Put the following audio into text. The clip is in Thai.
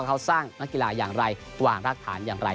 การสร้างนักกีฬาอย่างไรเดี๋ยวเรียนทำรากฐานอย่างไร